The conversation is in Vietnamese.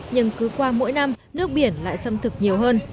nhưng cứ qua mỗi năm nước biển lại sâm thực nhiều hơn